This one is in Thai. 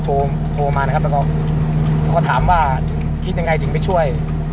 โทรมานะครับแล้วก็แล้วก็ถามว่าคิดยังไงจริงไม่ช่วย